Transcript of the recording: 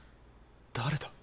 誰だ？